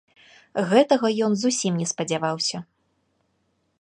Гэтага ён зусім не спадзяваўся.